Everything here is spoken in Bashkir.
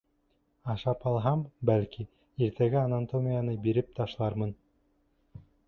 Ашап алһам, бәлки, иртәгә анатомияны биреп ташлармын.